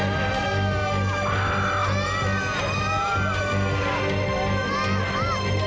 kenapa sudah bingung turks